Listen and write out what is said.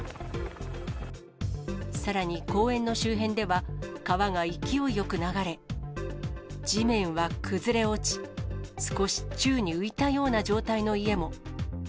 さらに公園の周辺では、川が勢いよく流れ、地面は崩れ落ち、少し宙に浮いたような状態の家も。